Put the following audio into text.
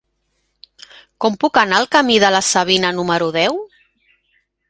Com puc anar al camí de la Savina número deu?